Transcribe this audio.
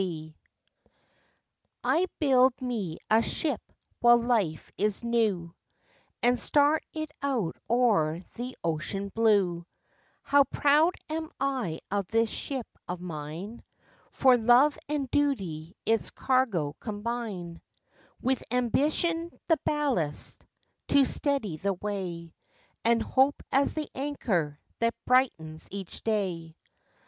MY SHIP I build me a ship while life is new, And start it out o'er the ocean blue, How proud am I of this ship of mine, For love and duty its cargo combine, With ambition, the ballast, To steady the way, And hope as the anchor That brightens each day.